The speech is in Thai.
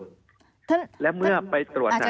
มีความรู้สึกว่ามีความรู้สึกว่า